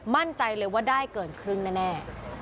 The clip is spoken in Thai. มั่นใจเลยว่าได้เกินครึ่งแน่